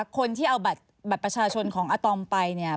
คนที่เอาบัตรประชาชนของอาตอมไปเนี่ย